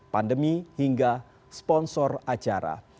pandemi hingga sponsor acara